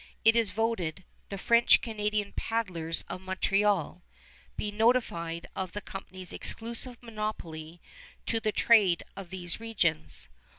It is voted "the French Canadian peddlers of Montreal" be notified of the company's exclusive monopoly to the trade of these regions.